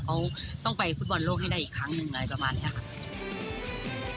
เขาต้องไปฟุตบอลโลกให้ได้อีกครั้งหนึ่งอะไรประมาณนี้ค่ะ